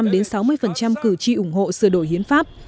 năm mươi năm đến sáu mươi cử tri ủng hộ sửa đổi hiến pháp